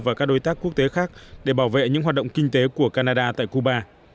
và các đối tác quốc tế khác để bảo vệ những hoạt động kinh tế của canada tại cuba